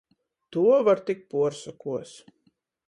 Tuo var tik puorsokuos.